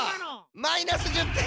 マイナス１０点。